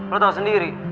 lo tau sendiri